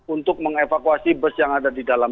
untuk mengevakuasi bus yang ada di dalam